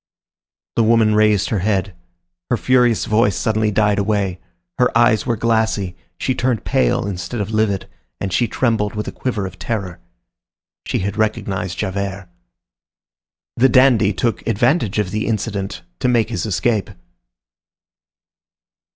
The woman raised her head; her furious voice suddenly died away. Her eyes were glassy; she turned pale instead of livid, and she trembled with a quiver of terror. She had recognized Javert. The dandy took advantage of the incident to make his escape.